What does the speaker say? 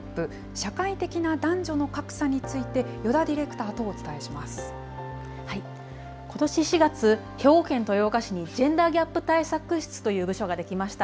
社会的な男女の格差について、ことし４月、兵庫県豊岡市にジェンダーギャップ対策室という部署が出来ました。